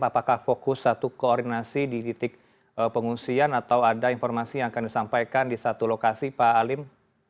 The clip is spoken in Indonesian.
apakah fokus satu koordinasi di titik pengungsian atau ada informasi yang akan disampaikan di satu lokasi pak alim